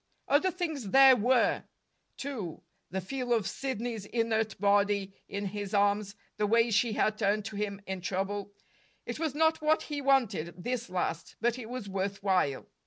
Other things there were, too the feel of Sidney's inert body in his arms, the way she had turned to him in trouble. It was not what he wanted, this last, but it was worth while.